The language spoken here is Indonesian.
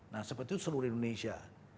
nah seperti itu seluruh indonesia